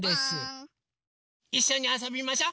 いっしょにあそびましょ。